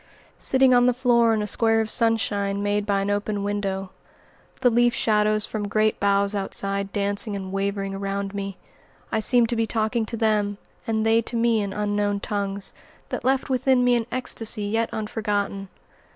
Sitting on the floor in a square of sunshine made by an open window, the leaf shadows from great boughs outside dancing and wavering around me, I seemed to be talking to them and they to me in unknown tongues, that left within me an ecstasy yet unforgotten.